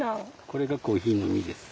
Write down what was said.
これがコーヒーの実です。